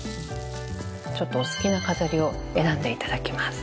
ちょっとお好きな飾りを選んでいただきます。